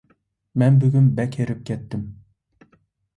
مەن بۈگۈن بەك ھېرىپ كەتتىم.